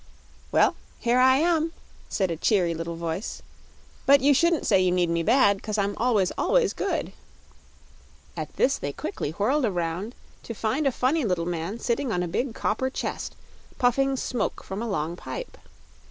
"Well, here I am," said a cheery little voice; "but you shouldn't say you need me bad, 'cause I'm always, ALWAYS, good." At this they quickly whirled around to find a funny little man sitting on a big copper chest, puffing smoke from a long pipe.